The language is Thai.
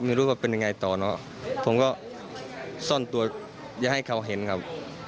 ไม่รู้ว่าเป็นยังไงต่อเนอะผมก็ซ่อนตัวอย่าให้เขาเห็นครับ